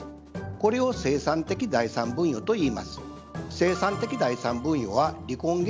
これを清算的財産分与といいます。